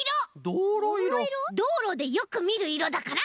どうろでよくみるいろだから。